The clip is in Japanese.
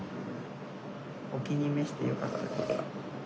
お気に召してよかったです。